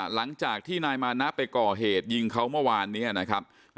หลังจากที่นายมานะไปก่อเหตุยิงเขาเมื่อวานนี้นะครับ